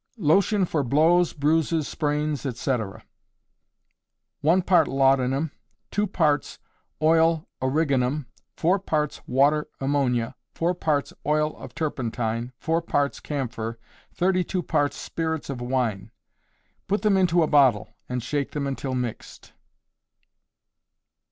Lotion for Blows, Bruises, Sprains, etc. One part laudanum, two parts oil origanum, four parts water ammonia, four parts oil of turpentine, four parts camphor, thirty two parts spirits of wine. Put them into a bottle, and shake them until mixed.